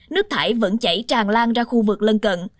nước thải vẫn chảy tràn lan ra khu vực lân cận